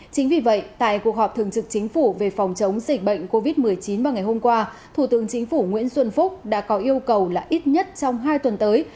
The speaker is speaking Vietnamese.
chính vì vậy tại cuộc họp thường trực chính phủ về phòng chống dịch bệnh covid một mươi chín vào ngày hôm qua thủ tướng chính phủ nguyễn xuân phúc đã có yêu cầu là ít nhất trong hai tuần tới